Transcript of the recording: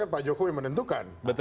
pak jokowi menentukan